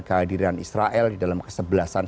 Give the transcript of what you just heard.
kehadiran israel di dalam kesebelasan